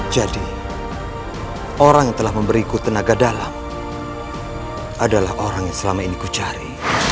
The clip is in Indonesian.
jadi orang yang telah memberiku tenaga dalam adalah orang yang selama ini kucari